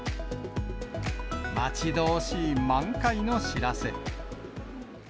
待ち遠しい満開の知らせ。